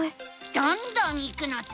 どんどんいくのさ！